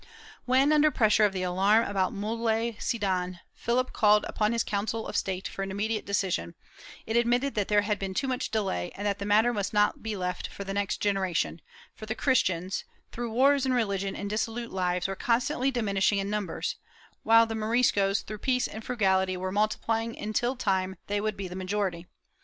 When, under pressure of the alarm about Muley Cidan, Philip called upon his Council of State for an immediate decision, it admitted that there had been too much delay and that the matter must not be left for the next generation, for the Christians, through wars and religion and dissolute lives, were constantly diminishing in numbers, while the Moriscos, through peace and frugality, were multiplying until in time they would be the majority.